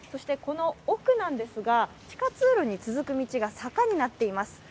この奥なんですが地下通路に続く道が坂道になっています。